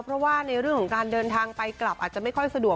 เพราะว่าในเรื่องของการเดินทางไปกลับอาจจะไม่ค่อยสะดวก